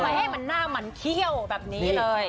ให้มันหน้ามันเขี้ยวแบบนี้เลย